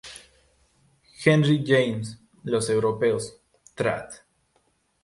Henry James, "Los europeos", trad.